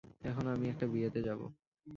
এখন আমি একটা বিয়েতে যাবো।